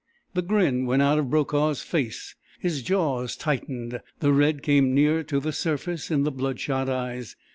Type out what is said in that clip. The grin went out of Brokaw's face, his jaws tightened, the red came nearer to the surface in the bloodshot eyes.